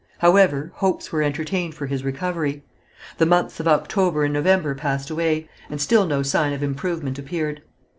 However, hopes were entertained for his recovery. The months of October and November passed away, and still no sign of improvement appeared.